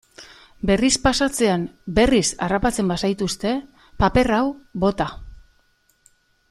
Berriz pasatzean berriz harrapatzen bazaituzte, paper hau bota.